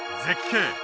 絶景！